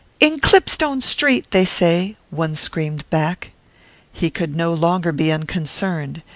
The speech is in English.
'In Clipstone Street, they say,' one screamed back. He could no longer be unconcerned.